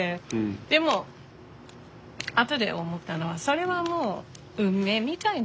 でも後で思ったのはそれはもう運命みたいなものですから。